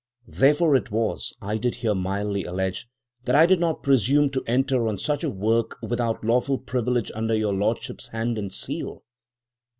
Therefore it was,' I did here mildly allege, 'that I did not presume to enter on such a work without lawful privilege under your lordship's hand and seal.'